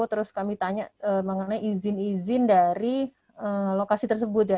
terus kami tanya mengenai izin izin dari lokasi tersebut ya